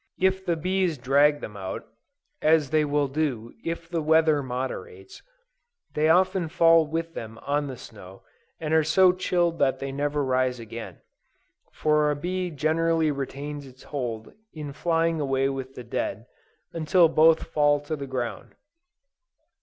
If the bees drag them out, as they will do, if the weather moderates, they often fall with them on the snow, and are so chilled that they never rise again; for a bee generally retains its hold in flying away with the dead, until both fall to the ground.